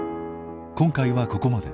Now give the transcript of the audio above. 今回はここまで。